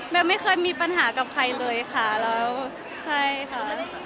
ไม่เคยมีปัญหากับใครเลยค่ะแล้วใช่ค่ะ